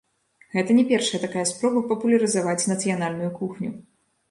Гэта не першая такая спроба папулярызаваць нацыянальную кухню.